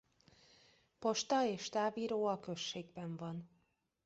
Posta és távíró a községben van.